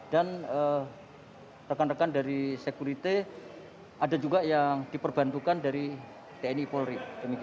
dan rekan rekan dari sekuriti ada juga yang diperbantukan dari tni polri